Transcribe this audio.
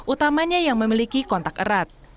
utamanya yang memiliki kontak erat